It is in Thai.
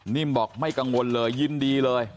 นิ่มบอกไม่กังวลเลยยินดีเลย